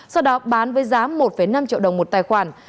sau đó bán với giá một năm triệu đồng một tài khoản